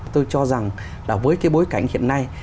tôi cho rằng là với cái bối cảnh hiện nay